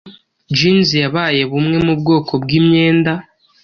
jeans yabaye bumwe mu bwoko bwimyenda